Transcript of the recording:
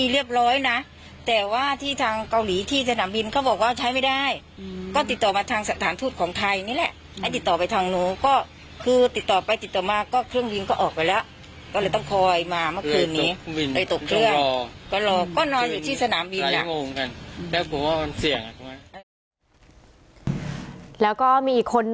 แล้วก็มีอีกคนนึงนะครับ